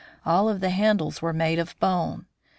All of the handles were made of bone.